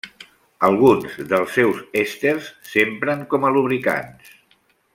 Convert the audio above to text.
Alguns dels seus èsters s'empren com a lubricants.